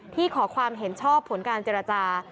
ขอความเห็นชอบผลการเจรจา